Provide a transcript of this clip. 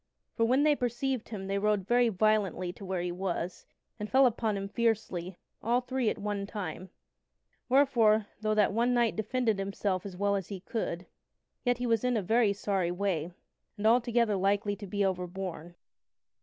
For, when they perceived him, they rode very violently to where he was, and fell upon him fiercely, all three at one time; wherefore, though that one knight defended himself as well as he could, yet was he in a very sorry way, and altogether likely to be overborne.